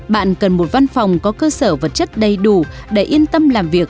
bạn cần một văn phòng có cơ sở vật chất đầy đủ để yên tâm làm việc